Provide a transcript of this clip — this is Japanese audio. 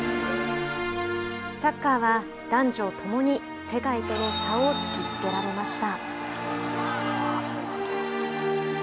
サッカーは男女共に世界との差を突きつけられました。